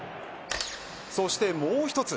そしてもう一つ。